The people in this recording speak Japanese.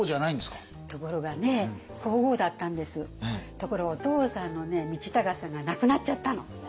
ところがお父さんの道隆さんが亡くなっちゃったの。